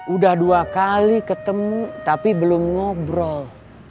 udah dua kali ketemu tapi belum ngobrol